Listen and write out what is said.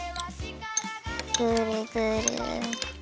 ぐるぐる。